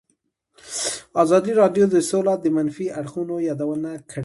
ازادي راډیو د سوله د منفي اړخونو یادونه کړې.